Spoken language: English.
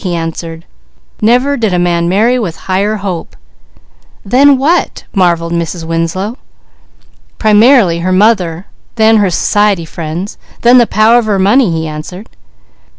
he answered. "Never did a man marry with higher hope!" "Then what ?" marvelled Mrs. Winslow. "Primarily, her mother, then her society friends, then the power of her money," he answered.